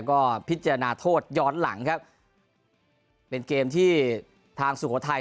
ก็พิจารณาโทษย้อนหลังครับเป็นเกมที่ทางสุโขทัย